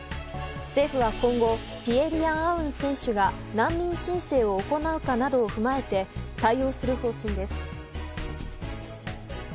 政府は今後ピエ・リアン・アウン選手が難民申請を行うかなどを踏まえて対応する方針です。